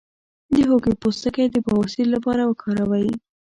د هوږې پوستکی د بواسیر لپاره وکاروئ